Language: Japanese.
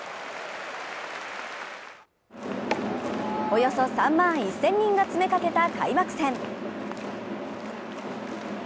およそ３万１０００人が詰めかけた開幕戦。